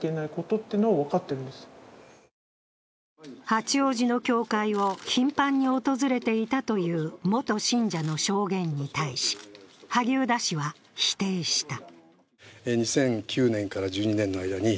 八王子の教会を頻繁に訪れていたという元信者の証言に対し、萩生田氏は否定した。